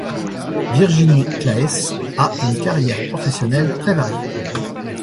Virginie Claes a une carrière professionnelle très variée.